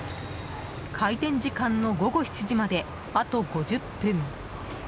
開店時間の午後７時まであと５０分。